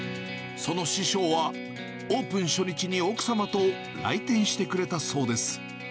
その師匠は、オープン初日に奥様と来店してくれたそうです。